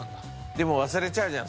でも忘れちゃうじゃん